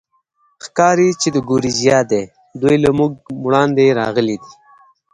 ښکاري، چې د ګوریزیا دي، دوی له موږ وړاندې راغلي دي.